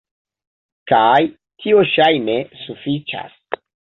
Kaj tio ŝajne sufiĉas.